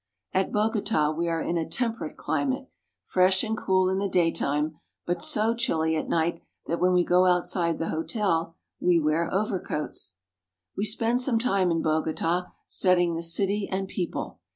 At Bogota we are in a temperate climate, fresh and cool in the daytime, but so chilly at night that when we go outside the hotel we wear overcoats. We spend some time in Bogota, studying the city and people.